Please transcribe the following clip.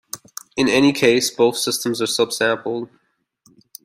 In any case both systems are subsampled.